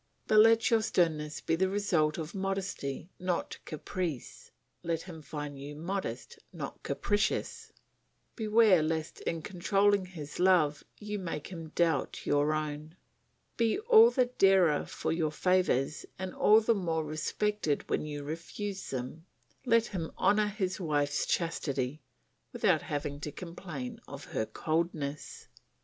But let your sternness be the result of modesty not caprice; let him find you modest not capricious; beware lest in controlling his love you make him doubt your own. Be all the dearer for your favours and all the more respected when you refuse them; let him honour his wife's chastity, without having to complain of her coldness.